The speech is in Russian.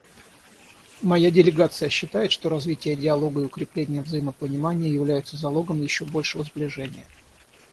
Моя делегация считает, что развитие диалога и укрепление взаимопонимания являются залогом еще большего сближения.